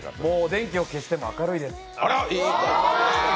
電気を消してても明るいです。